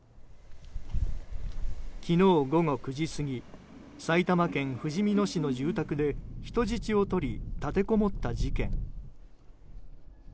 昨日、午後９時過ぎ埼玉県ふじみ野市の住宅で人質を取り立てこもった事件。